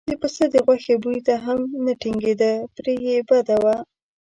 د پسه د غوښې بوی ته هم نه ټینګېده پرې یې بده وه.